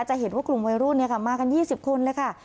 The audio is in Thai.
จะเห็นว่ากลุ่มวัยรุ่นมากัน๒๐คนเลยค่ะ